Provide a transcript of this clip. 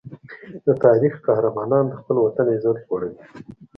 د تاریخ قهرمانان د خپل وطن عزت لوړوي.